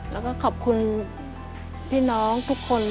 แล้วก็ขอบคุณพี่น้องทุกคน